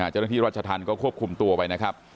เจริญที่วัชธันต์ก็ควบคุมตัวไปนะครับ